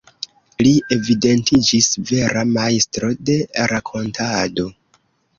Li evidentiĝis vera majstro de rakontado.